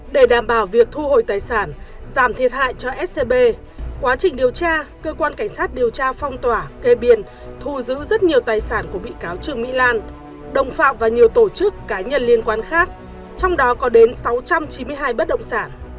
để đảm bảo việc thu hồi tài sản giảm thiệt hại cho scb quá trình điều tra cơ quan cảnh sát điều tra phong tỏa kê biên thu giữ rất nhiều tài sản của bị cáo trương mỹ lan đồng phạm và nhiều tổ chức cá nhân liên quan khác trong đó có đến sáu trăm chín mươi hai bất động sản